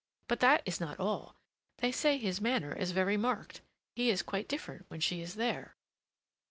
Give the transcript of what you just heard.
But that is not all. They say his manner is very marked—he is quite different when she is there."